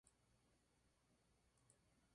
Zuri tiene una gran fuerza.